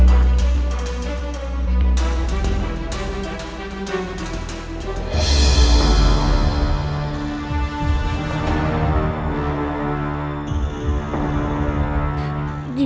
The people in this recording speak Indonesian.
aku akan membuatmu mati